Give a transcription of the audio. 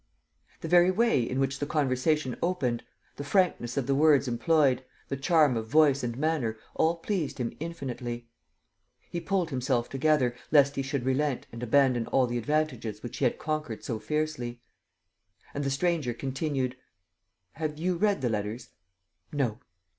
The very way in which the conversation opened, the frankness of the words employed, the charm of voice and manner all pleased him infinitely. He pulled himself together, lest he should relent and abandon all the advantages which he had conquered so fiercely. And the stranger continued: "Have you read the letters?" "No."